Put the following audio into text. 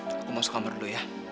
aku mau sekamber dulu ya